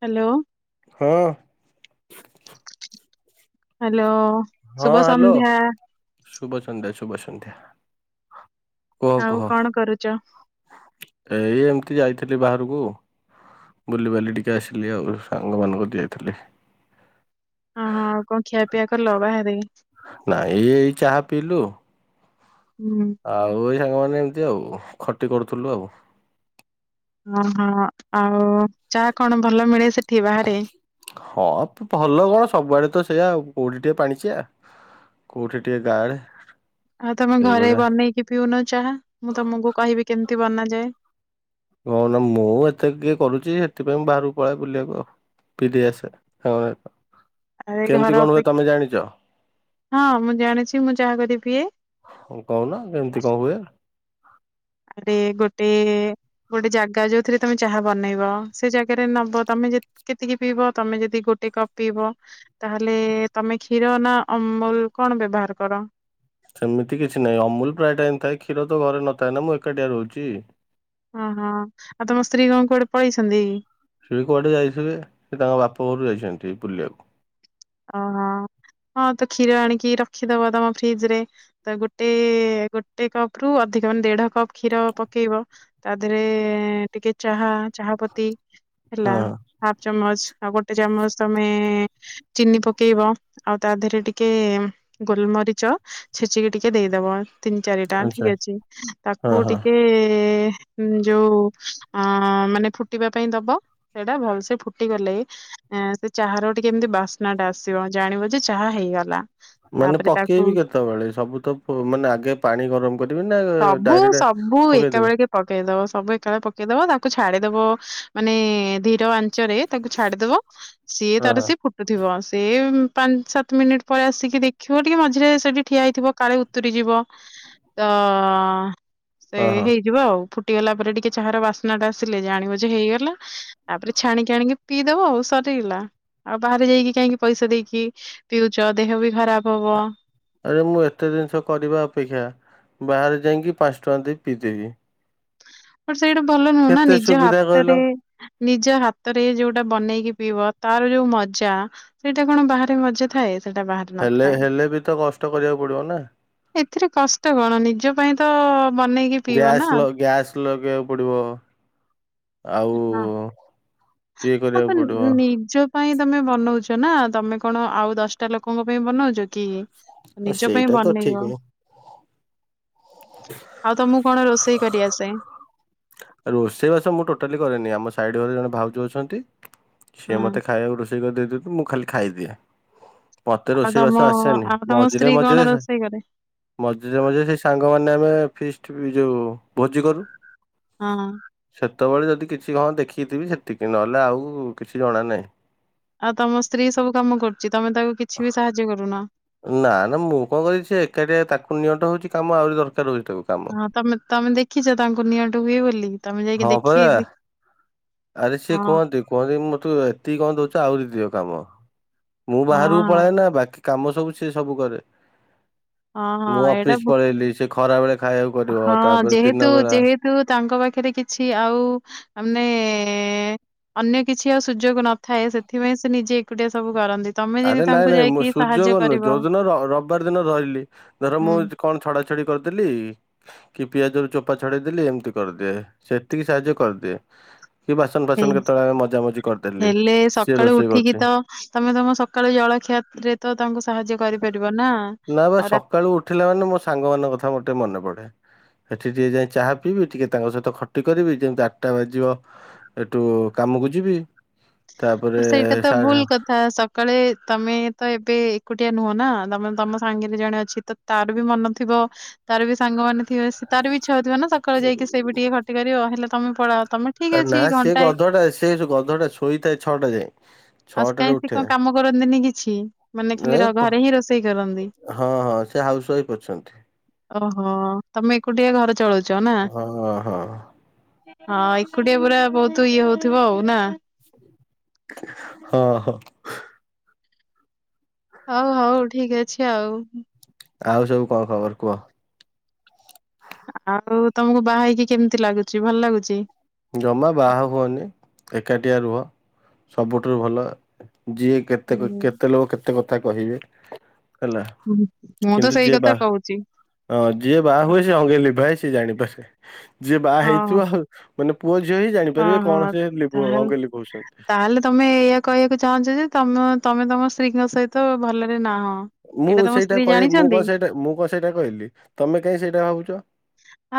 Hello. ହଁ [inaudible] hello ହଁ ଶୁଭ ହ୍ୟାଲୋ। ସନ୍ଧ୍ୟା। ଶୁଭ ସନ୍ଧ୍ୟା ଶୁଭ ସନ୍ଧ୍ୟା କହ ଆଉ କହ କଣ କରୁଛ? ଏଇ ଏମିତି ଯାଇ ଥିଲି ବାହାରକୁ ବୁଲିବାଲି ଟିକେ ଆସିଲି ଆଉ ସାଙ୍ଗମାନଙ୍କୁ ଯାଇଥିଲି। ହଁ ହଁ ଆଉ କଣ ଖିଆ ପିଆ କଲ ବାହାରେ? ନାଇଁ ଏଇ ଚାହା ପିଇଲୁ। ହୁଁ ଆଉ ଏଇ ସାଙ୍ଗମାନେ ଏମତି ଆଉ ଖଟି କରୁଥିଲୁ ଆଉ ଓହୋ ଆଉ ଚା କଣ ଭଲ ମିଳେ ସେ ହଁ ଭଲ କଣ ସବୁଆଡେ ତ ସେଇୟା ଆଉ। କୋଉଠି ଟିକେ ପାଣିଚିଆ କୋଉଠି ଟିକେ ଗାଢେ ଆଉ ତମେ ଘରେ ବନେଇକି ପିଉନ ଚାହା ମୁଁ ତମକୁ କହିବି କେମ ତି ବନା ଯାଏ ନାଁ ନାଁ ମୁଁ ଏତେ କିଏ କରୁଚି ହେଥିପାଇଁ ବାହାରକୁ ପଳାଏ ବୁଲିବାକୁ ଆଉ ପିିଇ ଦେଇ ଆସେ ଆରେ କେମିତି ଘର କଣ ହୁଏ ତମେ ଜାଣିଛ ଅପେକ୍ଷା ହଁ ମୁଁ ଜାଣିଛି ମୁଁ ଚାହା କରି ପିଏ। କହୁନ କେମିତି କଣ ହୁଏ? ଆରେ ଗୋଟେ ଗୋଟେ ଜାଗା ଯୋଉଥିରେ ତମେ ଚାହା ବନେଇବ ସେ ଜାଗାରେ ନବ ତମେ ଯେତିକି କେତିକି ପିଇବ ତମେ ଯଦି ଗୋଟେ କପ ପିଇବ ତାହେଲେ ତମେ କ୍ଷୀର ନା ଅମୁଲ କଣ ବ୍ୟବହାର କର? ସେମିତି କିଛି ନାହିଁ ଅମୁଲ ପ୍ରାୟ ଟାଇମ ଥାଏ କ୍ଷୀର ତ ଘରେ ନଥାଏ ନା ମୁଁ ଏକାଟିଆ ରହୁଚି। ଓହୋ ଆଉ ତମ ସ୍ତ୍ରୀ କଣ କୁଆଡେ ପଳେଇସନ୍ତି ସେ କୁଆଡେ ଯାଇଥିବେ ସେ ତାଙ୍କ ବାପଘରୁକୁ ଯାଇଛନ୍ତି ବୁଲିବାକୁ। ଅ ହ ହଁ ତ କ୍ଷୀର ଆଣିକି ରଖିଦବ ତମ ଫ୍ରିଜ ରେ ତ ଗୋଟେ ଗୋଟେ କପ ରୁ ଅଧିକ ମାନେ ଦେଢ କପ୍ କ୍ଷୀର ପକେଇବ ତା ଦେହରେ ଟିକେ ଚାହା ଚାହା ପତି ହେଲା ହଁ ହାଫ୍ ଚାମଚ ଆଉ ଗୋଟେ ଚାମଚ ତମେ ଚିନି ପକେଇବ ଆଉ ତା ଦେହରେ ଟିକେ ଗୋଲମରିଚ ଛେଚିକି ଟିକେ ଦେଇଦବ ତିନି ଚାରିଟା ଆଚ୍ଛା ଠିକ ଅଛି ହଁ ତାକୁ ହଁ। ଟିକେ ଯୋଉ ଅଁ ମାନେ ଫୁଟିବା ପାଇଁ ଦବା ସେଇଟା ଭଲ ସେ ଫୁଟିଗଲେ ସେ ଚାହାର ଟିକେ ଏମିତି ବାସ ନା ଟା ଆସିବ ଜାଣିବ ଯେ ଚାହା ହେଇଗଲା। ମାନେ ତାପରେ ତାକୁ ପକେଇବି କେତେବେଳେ ସବୁ ତ ମାନେ ଆଗେ ପାଣି ଗରମ କରିବି ନା ସବୁ ଡାଇରେକ୍ଟ ସବୁ ଏକା ପକେଇଦେବି ବଳେକେ ପକେଇ ଦବ ସବୁ ଏକାବେଳେ ପକେଇଦବ ତାକୁ ଛାଡିଦବ ମାନେ ଧୀର ଆ ଚରେ ତାକୁ ଛାଡିଦବା ସିଏ ହଁ ତାର ହଁ ସିଏ ଫୁଟୁଥିବ ସେ ପାଞ୍ଚ ସାତ ମିନିଟ ପରେ ଆସିକି ଦେଖିବ ଟିକେ ମଝିରେ ସେଠି ଠିଆ ହେଇଥିବ କାଳେ ଉତୁରିଯିବ ତ ହଁ ସେ ହଁ ହଁ ହେଇଯିବ ଆଉ ଫୁ ଫୁଟିଗଲା ପରେ ଟିକେ ଚାହାର ବାସ୍ନା ଟା ଆସିଲେ ଜାଣିବ ଯେ ହେଇଗଲା ତାପରେ ଛାଣିକି ଆଣିକି ପିଇଦବ ଆଉ ସରିଗଲା ଆଉ ବାହାରେ ଯାଇକି କାଇଁକି ପଇସା ଦେଇକି ପିଉଚ ଦେହ ବି ଖରାପ ହବ। ଆରେ ମୁଁ ଏତେ ଜିନିଷ କରିବା ଅପେକ୍ଷା ବାହାରେ ଯାଇକି ପାଞ୍ଚ ଟଙ୍କା ଦେଇ ପିଇଦେବି। [unintelligible] ସେଇଟା ଭଲ ନୁହଁ ନା କେତେ ନିଜ ସୁବିଧା ହାତରେ କହିଲ ନିଜ ହାତରେ ଯୋଉଟା ବନେଇକି ପିଇବ ତାର ଯୋଉ ମଜା ସେଇଟା କଣ ବାହାରେ ମଜା ଥାଏ। ସେଟା ବାହାରେ ହେଲେ ନଥାଏ ହେଲେ ବି ତ କଷ୍ଟ କରିବାକୁ ପଡିବ ନା ଏଥିରେ କଷ୍ଟ କଣ ନିଜ ପାଇଁ ତ ବନେଇକି ପିଇବ ନା ଗ୍ୟାସ୍ ଲ ଗ୍ୟାସ ଲଗେଇ ପଡ଼ିବ। ଆଉ ହଁ। ଇଏ ହଁ କରିବାକୁ ତ ପଡିବ ନିଜ ପାଇଁ ତମେ ବନଉଛ ନା ତମେ କଣ ଆଉ ଦଶଟା ଲୋକଙ୍କ ପାଇଁ ବନାଉଛ କି? ନିଜ ପାଇଁ ସେଇଟା ତ ବନେଇବ ଠିକ ଆଉ ତମକୁ କଣ ରୋଷେଇ କରିଆସେ? ରୋଷେଇବାସ ମୁଁ ଟୋଟାଲି କରେନି ଆମ ସାଇଡ ଘରେ ଜଣେ ଭାଉଜ ଅଛନ୍ତି। ହଁ ସିଏ ମତେ ଖାଇବାକୁ ରୋଷେଇ କରିଦେଇ ଦଉଛନ୍ତି ମୁଁ ଖାଲି ଖାଇଦିଏ। ମତେ ଆଉ ରୋଷେଇ ତମ ବାସ ଆସେନି ଆଉ ତମ ମଝିରେ ସ୍ତ୍ରୀ କଣ ମଝିରେ ରୋଷେଇ କରେ? ମଝିରେ ମଝିରେ ସେଇ ସାଙ୍ଗମାନେ ଆମେ ଫିଷ୍ଟ ବି ଯଉଁ ଭୋଜି କରୁ। ହଁ। ତେବେଳେ ଯଦି କିଛି ହଁ ଦେଖିକିଥିବି ସେତିକି ନହେଲେ ଆଉ କିଛି ଜଣା ନାହିଁ। ଆଉ ତମ ସ୍ତ୍ରୀ ସବୁ କାମ କରୁଚି, ତମେ ତାକୁ କିଛି ବି ସାହାଯ୍ୟ କରୁନ। ନା ନା ମୁଁ କଣ କରିବି, ସେ ଏକାଟିଆ ତାକୁ ନିଅଣ୍ଟ ହଉଚି କାମ ଆହୁରି ଦରକାର ହଉଚି। ତାକୁ କାମ। ହଁ ତମେ ତମେ ଦେଖିଛ ତାଙ୍କୁ ନିଅଣ୍ଟ ହୁଏ ବୋଲି ତମେ ଯାଇକି ହଁ ଦେଖି ପରା ଦେ- ଆରେ ସିଏ ହଁ କୁହନ୍ତି, କୁହନ୍ତି କି ମୁଁ ତୁ ଏତିକି କଣ ଦଉଛ ଆହୁରି ଦିଅ। କାମ ମୁଁ ହଁ ବାହାରକୁ ହଁ ପଳାଏ ନା ବାକି କାମ ସବୁ ସେ ସବୁ କରେ। ହଁ ହଁ ମୁଁ ଏଇଟା ଅଫିସ ବ ପଳେଇଲି ସେ ଖରା ବେଳେ ଖାଇବାକୁ କରିବ ହଁ ତାପରେ ଦିନ ଯେହେତୁ ବେଳା ଯେହେତୁ ତାଙ୍କ ପାଖରେ କିଛି ଆଉ ମାନେ ଅନ୍ୟ କିଛି ଆଉ ସୁଯୋଗ ନଥାଏ, ସେଥିପାଇଁ ସେ ନିଜେ ଏକୁଟିଆ ସବୁ କରନ୍ତି। ତମେ ଯଦି ଆରେ ତାଙ୍କୁ ନାଇଁ ନାଇଁ ମୁଁ ଯାଇକି ସାହାଯ୍ୟ ସୂଯୋଗ ନୁହେ କରିବ ଯୋଉ ଦିନ ରବିବାର ଦିନ ରହିବ ରହିଲି, ଧର ମୁଁ ହୁଁ କଣ ଛଡା ଛଡି କରିଦେଲି କି ପିଆଜ ରୁ ଚୋପା ଛଡେଇଦେଲି ଏମିତି କରିଦିଏ ସେତିକି ସାହାଯ୍ୟ କରିଦିଏ। କି ବାସନ ହେ- ଫାସନ କେତେବେଳେ ମଜା ମଜି କରିଦେଲି ହେଲେ ସିଏ ରୋଷେଇ କରୁଚି। କାଳୁ ଜଳଖିଆ ରେ ତ ତାଙ୍କୁ ସାହାଯ୍ୟ କରିପାରିବ ନା ନା ବା ଆଉ ରା- ସକାଳୁ ଉଠିଲା ମାନେ ମୋ ସାଙ୍ଗ ମାନଙ୍କ କଥା ମୋର ଟିକେ ମନେ ପଡେ। ସେଠି ଟିକେ ଯାଇ ଚାହା ପିଇବି ଏଠି କି ତାଙ୍କ ସହିତ ଖଟି କରିବି ଯେମିତି ଆଟଟା ବାଜିବ ଏଠୁ କାମକୁ ଯିବି। ତାପରେ ସେଇଟା ତ ସାଢେ ଭୂଲ କଥା ସକାଳେ ତମେ ତ ଏବେ ଏକୁଟିଆ ନୁହଁ ନା ତମେ ତମ ସାଙ୍ଗରେ ଜଣେ ଅଛି ତ ତାର ବି ମନ ଥିବ ତାର ବି ସାଙ୍ଗ ମାନେ ଥିବେ ତାର ବି ଇଚ୍ଛା ହୋଇଥିବ ନା ସକାଳେ ଯାଇକି ସେ ବି ଟିକେ ଖଟି କରିବ ହେଲେ ତମେ ପଳାଅ। ତମେ ତା ଠିକ ନା ଅଛି ସେ ଘଣ୍ଟାଏ ଗଧ ଟା ସେ ଗଧ ଟା ଶୋଇଥାଏ। ଛଅଟା ଯାଏଁ। ଆଉସ୍ କାଇଁ ସେ କାହିଁ ସେ କଣ କାମ କରନ୍ତିନି କିଛି, ମାନେ ଏ ଖାଲି କ- ଘରେ ହିଁ ରୋଷେଇ କରନ୍ତି। ହଁ ହଁ ସେ ହାଉସ ୱାଇଫ ଅଛନ୍ତି। ଓହୋ ତମେ କୁଟିଆ ଘର ଚଳଉଚ ନା ହଁ ହଁ ହଁ ଏକୁଟିଆ ପୁରା ବହୁତ ତୁ ଇଏ ହଉଥିବ ଆଉ ନା। ହଁ ହଁ। ହଉ ହଉ ଠିକ ଅଛି ଆଉ। ଆଉ ସବୁ କଣ ଖବର କୁହ? ଆଉ ତମକୁ ବା ହେଇକି କେମିତି ଲାଗୁଚି ଭଲ ଲାଗୁଚି? ଜମା ବାହା ହୁଅନି ଏକାଟିଆ ରୁହ ସବୁଠାରୁ ଭଲ ଯିଏ କେତେ ହୁଁ କେତେ ଲୋକ କେତେ କ କଥା କହିବେ। ହେଲା ହୁଁ। ମୁଁ ତ କିନ୍ତୁ ସେଇ ଯିଏ କଥା ବା କହୁଛି। ହଁ ଯିଏ ବାହା ହୁଏ ସେ ଅଙ୍ଗେ ଲିଭାଏ। ସେ ଜାଣିପାରେ। ଯିଏ ବାହା ହେଇଥିବ ହଁ ଆଉ [unintelligible] ହଁ ଜାଣିପାରିବେ ହଁ କଣ ସେ ଲିଭ ତାହା ଅଙ୍ଗେ ଲିଭଉଛନ୍ତି। ତାହେଲେ ତମେ ଏଇଆ କହିବାକୁ ଚାହୁଁଛ ଯେ ତମ ତମେ ତମ ସ୍ତ୍ରୀଙ୍କ ସହିତ ଭଲରେ ନା ହ। ମୁଁ ସେଇଟା କହି ମୁଁ କଣ ସେଇଟା ମୁଁ କଣ ସେଇଟା କହିଲି ତମେ କାଇଁ ସେଇଟା ଭାବୁଛ?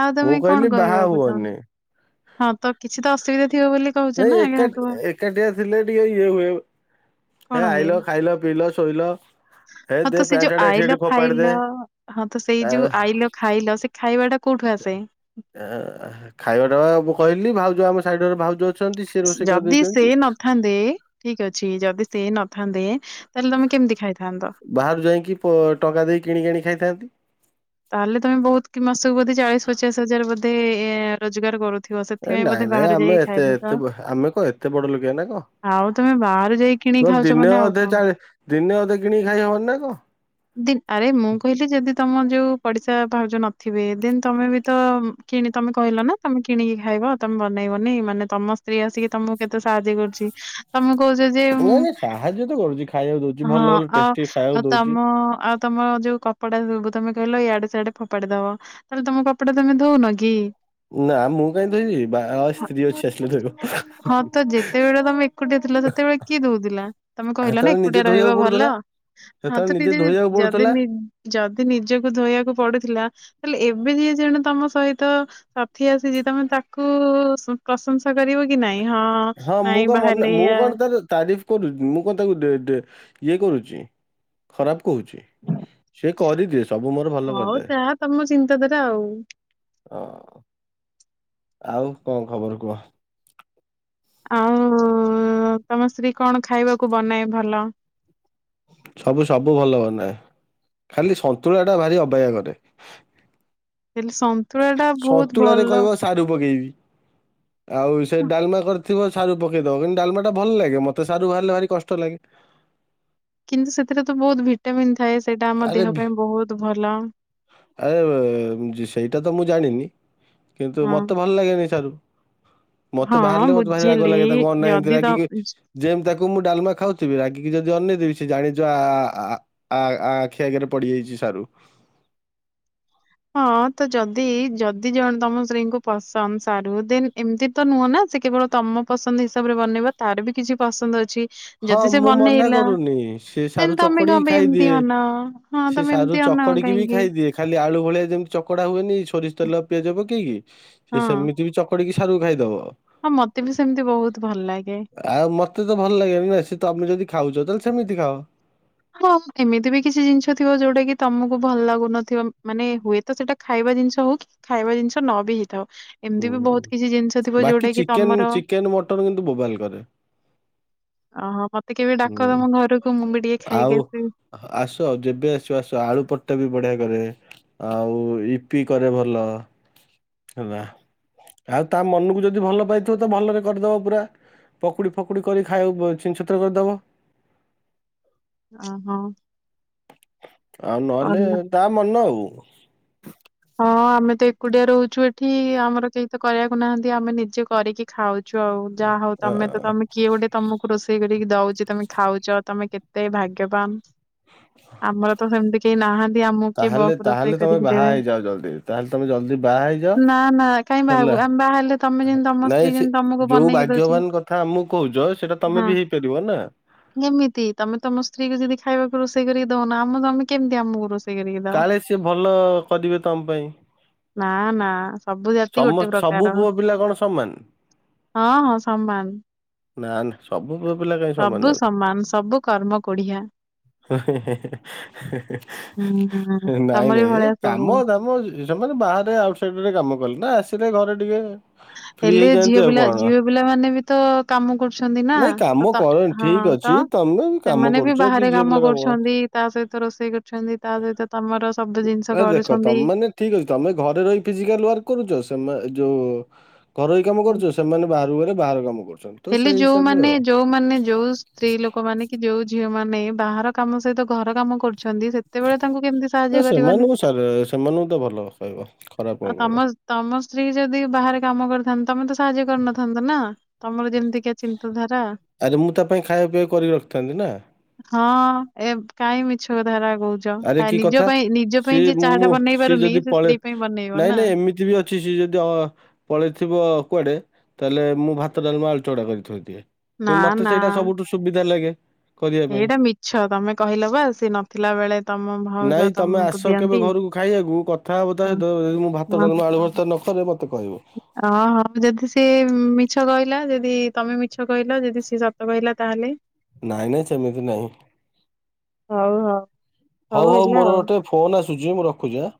ଆଉ ତମେ ମୁଁ କଣ କହିଲି ବାହା କହିବାକୁ ଚାହୁଁଚ ହୁଅନି ହଁ ତ କିଛି ତ ଅସୁବିଧା ଥିବ ବୋଲି କହୁଛ ନାଇଁ ନା ଏକା ଆଗୁଆ। ଏକାଠିଆ ଥିଲେ ଟିକେ ଇଏ ହୁଏ। ହେ ଆଇଲ ଖାଇଲ ପିଇଲ ଶୋଇଲ। ହେ ହଁ ଦେ ତ ସେ ପ୍ୟାଣ୍ଟ ଯୋଉ ସାର୍ଟ ଏଠି ସେଠି ଆଇଲ ଫୋପାଡି ଦେ ଖାଇଲ ହଁ ତ ସେଇ ଯୋଉ ଆଇଲ ଖାଇଲ ସେ ଖାଇବାଟା ଖାଇବା ଟବା ମୁଁ କହିଲି ଭାଉଜ ଯୋଉ ଆମ ସାଇଡ ରେ ଭାଉଜ ଅଛନ୍ତି ସିଏ ରୋଷେଇ ଯଦି ସେ କରିଦେଇଛନ୍ତି। ନଥାନ୍ତେ ଠିକ ଅଛି ଯଦି ସେ ନଥାନ୍ତେ [inaudible] କେମିତି ଖାଇଥାନ୍ତ? ବାହାରୁ ଯାଇକି ପ ଟଙ୍କା ଦେଇ କିଣି ଆଣିକି ଖାଇଥାନ୍ତି। ତାହେଲେ ତମେ ବହୁତ କି ମାସକୁ ବୋଧେ ଚାଳିଶ ପଚାଶ ହଜାର ବୋଧେ ଏ ରୋଜଗାର କରୁ ଏ ନାଇଁ ନାଇଁ ଆମେ ଏତେ ଏତେ ବ ଆମେ କ ଏତେ ବଡ ଲୋକିଇ ନା ଆଉ ତମେ ବାହାରୁ ଯାଇକି କିଣି କ ଖାଉଛ ଦିନେ ମାନେ ଆଉ ଅଧେ କଣ? ଚାହିଁଲେ ଦିନେ ଅଧେ କିଣିକି ଖାଇହବନି ନା କ। ଦିନ୍ ଆରେ ମୁଁ କହିଲି ଯଦି ତମ ଯୋଉ ପଡିଶା ଭାଉଜ ନଥିବେ ଦିନ ତମେ ବି ତ ମ କିଣି ତମେ କହିଲ ନା ତମେ କିଣିକି ଖାଇବ ତମେ ବନେଇବନି ମାନେ ତମ ସ୍ତ୍ରୀ ଆସିକି ତମକୁ କେତେ ସାହାଯ୍ୟ କରୁଛି। ତମେ କହୁଛ ଯେ ନାଇଁ ନାଇଁ ସାହାଯ୍ୟ ତ କରୁଛି ଖାଇବାକୁ ଦଉଛି ହଁ ଭଲ ଭଲ ଆଉ ଟେଷ୍ଟି ଖାଇବାକୁ ଆଉ ଦଉଛି। ତମ ଆଉ ତମ ଯୋଉ କପଡା ସ ତମେ କହିଲ ୟା ସାଡେ ଫୋପାଡି ଦବ ତାହେଲେ ତମ କପଡଟା ତମେ ଧଉନ କି। ନା ମୁଁ କାହିଁ ଧୋଇବି ବା ଆ, ସ୍ତ୍ରୀ ଅଛି ଆସିଲେ ଧୋଇବ। ହଁ ତ ଯେତେବେଳେ ତମେ ଏକୁଟିଆ ଥିଲା ସେତେବେଳେ କିଏ ଦଉଥିଲା ତମେ କହିଲ ନା ସେତେବେଳେ ନିଜେ ଏକୁଟିଆ ରହିବା ଧୋଇବାକୁ ପଡୁଥିଲା ଭଲ ହଁ ସେତେବେଳେ ତ ନିଜେ ଯ ଧୋଇବାକୁ ଯଦି ପଡୁଥିଲା ନି ଯଦି ନିଜକୁ ଧୋଇବାକୁ ପଢୁଥିଲା ତାହେଲେ ଏବେ ଯିଏ ଜଣେ ତମ ସହିତ ସାଥି ଆସିଛି ତମେ ତାକୁ ପ୍ରଂସ ହଁ ମୁଁ କଣ ମନେ ବାହାରିଲେ ମୁଁ ଏଇଆ କଣ ତାର ତାରିଫ କରୁଛି ମୁଁ କଣ ତାକୁ ଡେ ଡେ ଇଏ କରୁଛି ଖରାପ କହୁଛି। ସିଏ କରିଦିଏ ସ ହଉ ଯାହା ତମ ଚିନ ଧାରା ଆଉ। ହ ଆଉ କଣ ଖବର କୁହ? ଆଉ ତମ ସ୍ତ୍ରୀ କଣ ଖାଇବାକୁ ବନାଏ ଭଲ। ସବୁ ସବୁ ଭଲ ବନାଏ ଖାଲି ସନ୍ତୁଳା ଟା ଭାରି ଅବାଗିଆ କରେ। ହେଲେ ସନ୍ତୁଳା ଟା ବହୁତ ସନ୍ତୁଳାରେ ଭଲ। କହିବ ସାରୁ ପକେଇବି ଆଉ ସେ ଡାଲମା କରିଥିବ ସାରୁ ପକେଇଦବ କିନ୍ତୁ ଡାଲମା ଟା ଭଲ ଲାଗେ ମତେ ସାରୁ ବାହାରିଲେ ଭାରି କଷ୍ଟ ଲାଗେ। କିନ୍ତୁ ସେଥିରେ ତ ବହୁତ ଭିଟାମିନ୍। ଥାଏ ସେଇଟା ଆମ ଆରେ ଦେହ ବ ପାଇଁ ବହୁତ ଭଲ। ଆରେ ସେଇଟା ତ ମୁଁ ଜାଣିନି। କିନ୍ତୁ ହଁ ମତେ ଭଲ ଲାଗେନି ସାରୁ। ମତେ ହଁ ବାହାରିଲେ ମତେ ଭାରି ରାଗ ବୁଝିଲି ଲାଗେ ତାକୁ ଅନାଏ ଏମିତି ଯଦି ତ ରାଗିକି ଯେମିତି ତାକୁ ମୁଁ ଡାଲମା ଖାଉଥିବି ରାଗିକି ଯଦି ଅନେଇ ଯଦି ବେଶୀ ଜାଣିଚ ଆ ଆ ଆ ଆ। ଆଖି ଆଗରେ ପଡିଯାଇଚି ସାରୁ। ହଁ ତ ଯଦି ଯଦି ଜଣେ ତମ ସ୍ତ୍ରୀଙ୍କୁ ପସନ୍ଦ ସାରୁ ଦେନ୍ ଏମିତି ତ ନୁହଁ ନା ସେ କେବଳ ତମ ପସନ୍ଦ ହିସାବରେ ବନେଇବ ତାର ବି କିଛି ପସନ୍ଦ ଅଛି। ହଁ ଯଦି ସେ ମୁଁ ମନା ବନେଇଲା କରୁନି ସେ ଦେନ୍ ସାରୁ ତମେ କଣ ଚକୋଡିକି ପାଇଁ ଏମିତି ଖାଇଦିଏ ଅନାଅ ହଁ ସେ ତମେ ସାରୁ ଏମିତି ଅନାଅ ଚକଡିକି ବି କାହିଁକି ଖାଇଦିଏ ଖାଲି ଆଳୁ ଭଳିଆ ଯେମିତି ଚକଡ଼ା ହୁଏନି ସୋରିଷ ତେଲ ପିଆଜ ପକେଇକି ହଁ ସେ ସେମିତି ବି ଚକଡିକିି ସାରୁ ଖାଇଦବ। ହଁ ମତେ ବି ସେମିତି ବହୁତ ଭଲ ଲାଗେ। ସ ତମେ ଯଦି ଖାଉଚ ତାହେଲେ ସେମିତି ଖାଅ। ହଁ ଏମିତି ବି କିଛି ଜିନିଷ ଥିବ ଯୋଉଟା କି ତମକୁ ଭଲ ଲାଗୁନଥିବ ମାନେ ହୁଏ ତ ସେଇଟା ଖାଇବା ଜିନିଷ ହଉ କି ଖାଇବା ଜିନିଷ ନ ବି ହେଇ ଥାଉ, ହୁଁ ଏମିତି ବି ବହୁତ କିଛି ଜିନିଷ ଥିବ ବାକି ଯୋଉଟା କି ଚିକେନ ତମର ଚିକେନ ମଟନ କିନ୍ତୁ ବୋବାଲ କରେ ଓହୋ ମତେ କେବେ ହୁଁ। ଡାକ ତମ ଘରକୁ ମୁଁ ବି ଟିକେ ଖାଇକି ଆଉ ଆସିବି ଆସ ଯେବେ ଆସିବ ଆସ ଆଳୁ ପରଟା ବି ବଢିଆ କରେ ଆଉ ଇପି କରେ ଭଲ ହେଲା। ଆଉ ତା ମନକୁ ଯଦି ଭଲ ପାଇଥିବ ତ ଭଲରେ କରିଦବ ପୁରା। ପକୁଡି ଫକୁଡି କରି ଖାଇବାକୁ ଛିନଛତର କରିଦବ। ଓହୋ। ଆଉ ନହେଲେ ଭଲ। ତା ମନ ଆଉ। ହଁ ଆମେ ତ ଏକୁଟିଆ ରହୁଚୁ ଏଠି, ଆମର କେହି ତ କରିବାକୁ ନାହାନ୍ତି। ଆମେ ନିଜେ କରିକି ଖାଉ। ଚୁ, ଆଉ ଯାହା ହଉ ଅ ତମେ ତମେ କିଏ ଗୋଟେ ତମକୁ ରୋଷେଇ କରିକି ଠିକ ଦଉଚି, ତମେ ଖାଉଚ, ତମେ କେତେ ଭାଗ୍ୟବାନ। ଆମର ତ ସେମିତି କେହି ନାହାନ୍ତି, ଆମକୁ କିଏ ତାହେଲେ ବଫ ତାହେଲେ ରୋଷେଇ ତମେ କରିକି ବାହା ଦେବେ। ହେଇଯାଅ ଜଲ୍ଦି ତାହେଲେ ତମେ ଜଲ୍ଦି ବାହା ହେଇଯାଅ। ନା ନା କାହିଁ ହେଲା ବାହାହବୁ? ଆମେ ବାହା ହେଲେ ତମେ ଯେମିତି ତମ ନାଇଁ ସ୍ତ୍ରୀ ସେ ଯେମତି ତମକୁ ଯୋଉ ବନେଇକି ଦଉଚି ଭାଗ୍ୟବାନ କଥା ଆମକୁ କହୁଛ ସେଇଟା ତମେ ।ହଁ ବି ହେଇପାରିବ ନା। କେମିତି ତମେ ତମ ସ୍ତ୍ରୀ କୁ ଯଦି ଖାଇବାକୁ ରୋଷେଇ ରୋଷେଇ କରିକି ଦଉନ। ଆମେ ତମକୁ କେମିତି ଆମକୁ ରୋ କାଳେ ସିଏ ଭଲ କରିବେ ତମ ପାଇଁ। ହଁ। ସବୁ ଜାତି ସମ ଗୋଟେ ସବୁ ପ୍ରକାର। ପୁଅ ପିଲା କଣ ସମାନ ହଁ ହଁ ସମାନ। ନା ନା ।ସବ [inaudible] ମୋ ପୁଅ ପିଲା କାହିଁ ସବୁ ସମାନ ହେବେ ସବୁ କର୍ମ କୋଢିଆ ହୁଁ ନାଇଁ ତମରି ନାଇଁ ଏ ଭଳିଆ ସବୁ। କାମଦାମ ସେମାନେ ବାହାରେ ଆଉଟସାଇଡ ରେ କାମ। ନା [inaudible] ଆସିଲେ ଘରେ ଟିକେ ଫ୍ରି ହେଲେ ଝିଅ ହେଇଯାଆନ୍ତି ଆଉ ପିଲା କଣ ଝିଅ ପିଲା ମାନେ ବି ତ କାମ କରୁଛନ୍ତି ନା ନାଇଁ କାମ ।ତ କରନି ହଁ ଠିକ ଅଛି ତ ତମେ ବି କାମ ସେମାନେ ବି କରୁଛ କି ବାହାରେ ଝିଅ କାମ ପିଲା କର କରୁଛନ୍ତି ତା ସହିତ ରୋଷେଇ କରୁଛନ୍ତି ତା ସହିତ ତମର ସବୁ ଜିନିଷ ଆରେ ଦେଖ କରୁଛନ୍ତି। ତମେ ମାନେ ଠିକ ଅଛି ତମେ ଘରେ ରହି ଫିଜିକାଲ ୱାର୍କ କରୁଛ ସେମା ଯୋଉ ଘରୋଇ କାମ କରୁଛ ସେମାନେ ବାହାରକୁ ଗଲେ ବାହାର କାମ କରୁ ହେଲେ ଯୋଉମାନେ ଯୋଉମାନେ ଯୋଉ ସ୍ତ୍ରୀ ଲୋକମାନେ କି ଯୋଉ ଝିଅ ମାନେ ନାଇଁ ବାହାର କାମ ସହିତ ଘର କାମ କରୁ ଅଛନ୍ତି ସେତେବେଳେ ତାଙ୍କୁ କେମିତି ନା ସାହାଯ୍ୟ କରିବନି। ସେମାନଙ୍କୁ ସାର୍ ସେମାନଙ୍କୁ ତ ଭଲ କହିବ ଖରାପ ଆଉ କଣ କହିବ ତମ ତମ ସ୍ତ୍ରୀ ଯଦି ବାହାରେ କାମ କରିଥାନ୍ତେ ତମେ ତ ସାହାଯ୍ୟ କରିନଥାନ୍ତ ନା। ତମର ଯେମିତିକା ଚିନ୍ତାଧାରା ଆରେ ମୁଁ ତା ପାଇଁ ଖାଇବା ପିଇବା କରିକି ରଖିଥାନ୍ତି ନା। ହଁ ଏ କାଇ ମିିଛ କଥା ଉରା ଆରେ କି କଥା ସିଏ ଚାହା ଟା ମୁଁ ବନେଇ ସିଏ ପାରୁନି ଯଦି ସେ ପଳେଇ ସ୍ତ୍ରୀ ପାଇଁ ବନେଇବ ନାଇଁ ନା। ନାଇଁ ଏମିତି ବି ଅଛି ସିଏ ଯଦି ପଳେଇଥିବ କୁଆଡେ ତାହେଲେ ମୁଁ ଭାତ, ଡାଲମା, ଆଳୁଚକଡ଼ା, କରିକି ଥୋଇଦିଏ। ନା ମତେ ନା ସେଇଟା ସବୁଠୁ ସୁବିଧା ଲାଗେ। କରିବା ପାଇଁ। ଏଇଟା ମିଛ ତମେ କହିଲ ବା ସିଏ ନଥିଲାବେଳେ ନାଇଁ ତମେ ଆସ କେବେ ଘରକୁ ଖାଇବାକୁ କଥାହବ ତା ହଁ ସହିତ ଯିଏ ମୁଁ ଭାତ ହଁ ଡାଲମା ଆଳୁଭର୍ତା ନକରେ ମତେ କହିବ। ହଁ ହଉ ଯଦି ସିଏ ମିଛ କହିଲା ଯଦି ତମେ ମିଛ କହିଲ ଯଦି ସିଏ ସତ କହିଲା ତାହେଲେ। ନାଇଁ ନାଇଁ ସେମିତି ନାହିଁ। ହଉ ହଉ ହଉ ହଉ ହେଲା ମୋର ଆଉ। ଗୋଟେ ଫୋନ ଆସ ଛି ମୁଁ ରଖୁଛି ଆ